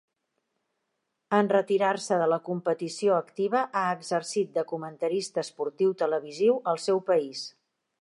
En retirar-se de la competició activa ha exercit de comentarista esportiu televisiu al seu país.